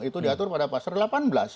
itu diatur pada pasar delapan belas